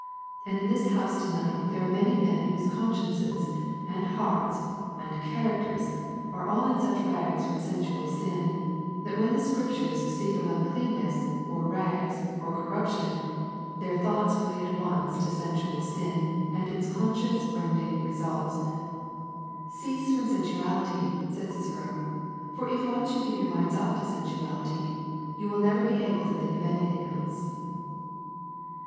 And in this house to night there are many men whose consciences and hearts and characters are all in such rags from sensual sin, that when the Scriptures speak of uncleanness, or rags, or corruption, their thoughts flee at once to sensual sin and its conscience rending results. Cease from sensuality, said Cicero, for if once you give your minds up to sensuality, you will never be able to think of anything else.